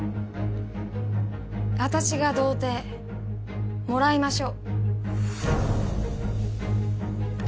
私が童貞もらいましょう。